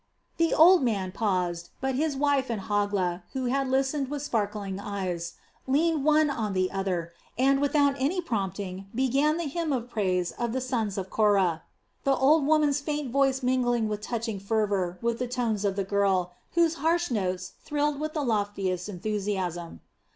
The old man paused, but his wife and Hogla, who had listened with sparkling eyes, leaned one on the other and, without any prompting, began the hymn of praise of the sons of Korah, the old woman's faint voice mingling with touching fervor with the tones of the girl, whose harsh notes thrilled with the loftiest enthusiasm.